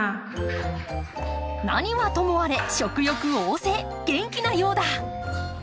なにはともあれ食欲旺盛、元気なようだ。